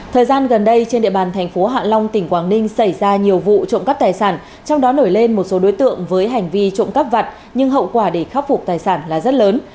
thời gian gần đây trên địa bàn thành phố hạ long tỉnh quảng ninh xảy ra nhiều vụ trộm cắp tài sản trong đó nổi lên một số đối tượng với hành vi trộm cắp vặt nhưng hậu quả để khắc phục tài sản là rất lớn